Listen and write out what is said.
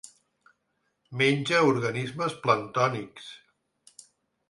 Menja organismes planctònics.